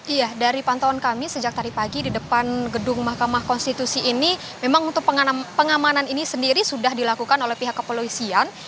iya dari pantauan kami sejak tadi pagi di depan gedung mahkamah konstitusi ini memang untuk pengamanan ini sendiri sudah dilakukan oleh pihak kepolisian